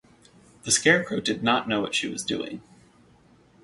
The Scarecrow did not know what she was doing.